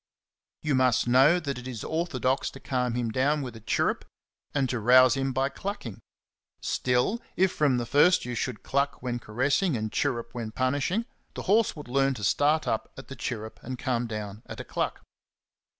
You must 54 XENOPHON ON HORSEMANSHIP. know that it is orthodox to calm him down with a chirrup 5' and to rouse him by cluck ing; still, if from the first you should cluck when caressing and chirrup when punishing, the horse would learn to start up at the chirrup and calm down at a cluck.